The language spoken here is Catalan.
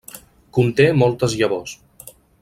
Conté moltes llavors.